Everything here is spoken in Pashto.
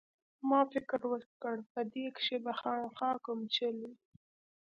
ما فکر وکړ چې په دې کښې به خامخا کوم چل وي.